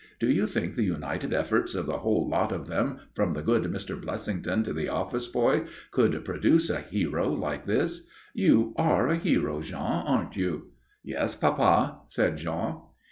Do you think the united efforts of the whole lot of them, from the good Mr. Blessington to the office boy, could produce a hero like this? You are a hero, Jean, aren't you?" "Yes, papa," said Jean.